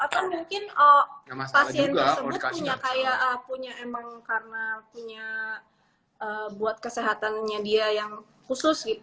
atau mungkin pasien tersebut punya emang karena punya buat kesehatannya dia yang khusus gitu